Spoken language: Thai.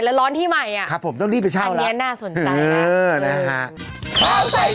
โอ้โหมีภูมิภายดีเลือกด้วย